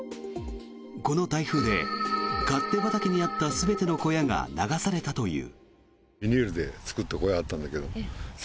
この台風で勝手畑にあった全ての小屋が流されたという。